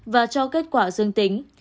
và cho kết quả dương tính